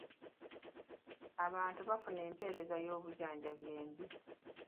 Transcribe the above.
Abantu bafuna empeereza y'obujjanjabi embi.